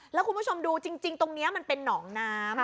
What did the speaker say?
แล้วคุณผู้ชมดูจริงตรงนี้มันเป็นหนองน้ำ